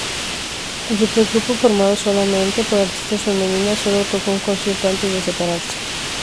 El supergrupo formado solamente por artistas femeninas solo tocó un concierto antes de separarse.